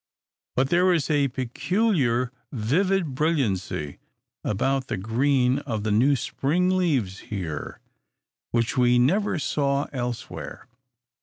But there is a peculiar, vivid brilliancy about the green of the new spring leaves here, which we never saw elsewhere.